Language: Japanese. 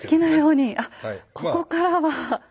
ここからは。